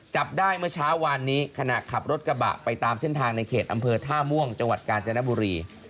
จับได้เมื่อเช้าวานนี้ขณะขับรถกระบะไปตามเส้นทางในเขตอำเภอท่าม่วงจังหวัดกาญจนบุรี